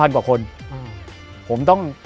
๒๐๐๐กว่าคน